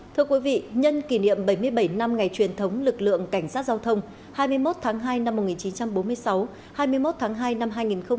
thưa quý vị nhân kỷ niệm bảy mươi bảy năm ngày truyền thống lực lượng cảnh sát giao thông hai mươi một tháng hai năm một nghìn chín trăm bốn mươi sáu hai mươi một tháng hai năm hai nghìn hai mươi